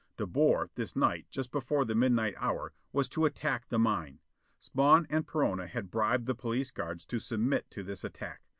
De Boer, this night just before the midnight hour, was to attack the mine. Spawn and Perona had bribed the police guards to submit to this attack.